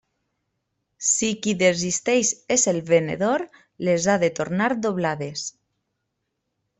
Si qui desisteix és el venedor, les ha de tornar doblades.